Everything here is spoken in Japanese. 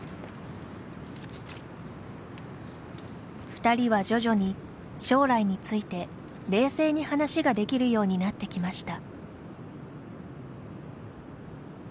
２人は徐々に、将来について冷静に話ができるようになってきました。